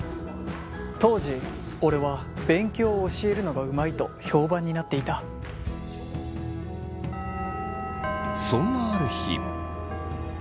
当時俺は勉強を教えるのがうまいと評判になっていたそんなある日。